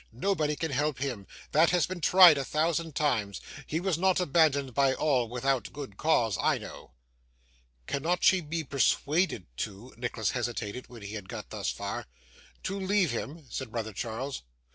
Nobody can help him; that has been tried a thousand times; he was not abandoned by all without good cause, I know.' 'Cannot she be persuaded to ' Nicholas hesitated when he had got thus far. 'To leave him?' said brother Charles.